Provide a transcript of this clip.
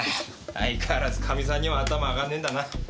相変わらずカミさんには頭上がんねえんだな。